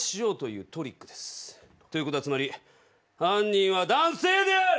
ということはつまり犯人は男性である！